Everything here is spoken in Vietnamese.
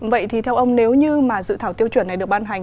vậy thì theo ông nếu như mà dự thảo tiêu chuẩn này được ban hành